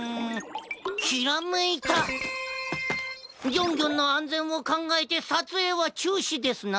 ギョンギョンのあんぜんをかんがえてさつえいはちゅうしですな！